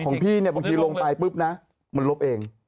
พี่เนี่ยบางทีลงไปปุ๊บนะมันลบเอง